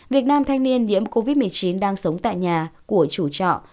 việt nam thanh niên nhiễm covid một mươi chín đang sống tại nhà của chủ trọ